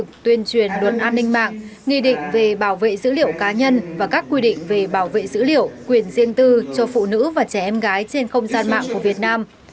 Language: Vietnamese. hội nghị tuyên truyền luật an ninh mạng nghị định về bảo vệ dữ liệu cá nhân và các quy định về bảo vệ dữ liệu quyền riêng tư cho phụ nữ và trẻ em gái trên không gian mạng của việt nam